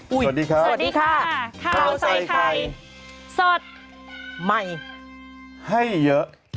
อุ๊ยสวัสดีค่ะข้าวใส่ไข่สดใหม่ให้เยอะ